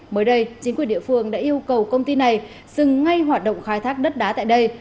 mới đây chính quyền địa phương đã yêu cầu công ty này dừng ngay hoạt động khai thác đất đá tại đây